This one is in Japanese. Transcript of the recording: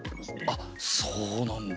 あっそうなんだ。